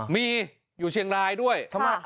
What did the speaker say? มีอยู่เชียงรายด้วย